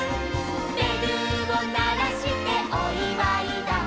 「べるをならしておいわいだ」